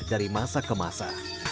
dari masa ke masa